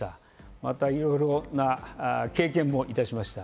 またいろんな経験もいたしました。